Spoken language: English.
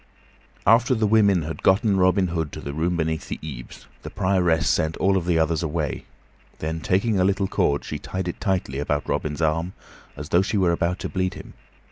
After the women had gotten Robin Hood to the room beneath the eaves, the Prioress sent all of the others away; then, taking a little cord, she tied it tightly about Robin's arm, as though she were about to bleed him.